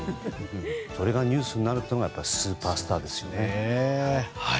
それがニュースになるのがスーパースターですよね。